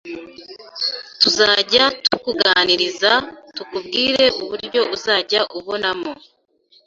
tuzajya tukuganiriza tukubwire uburyo uzajya ubonamo